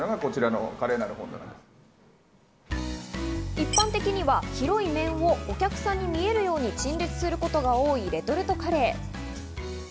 一般的には広い面をお客さんに見えるように陳列することが多いレトルトカレー。